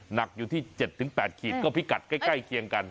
หนักอยู่ที่เจ็ดถึงแปดขีดก็พิกัดใกล้ใกล้เคียงกัน